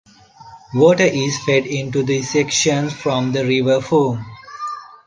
Water is fed into this section from the River Frome.